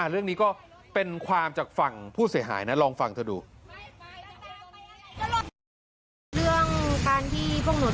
เรื่องนี้ก็เป็นความจากฝั่งผู้เสียหายนะลองฟังเธอดู